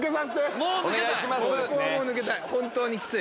もう抜けたい！